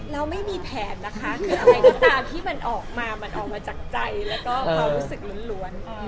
เราไม่มีแผนนะคะคืออะไรก็ตามที่มันออกมามันออกมาจากใจแล้วก็ความรู้สึกล้วน